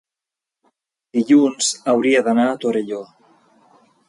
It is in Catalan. dilluns hauria d'anar a Torelló.